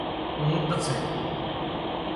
اُونٽ سي